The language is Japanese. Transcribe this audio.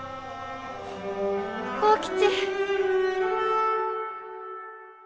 幸吉！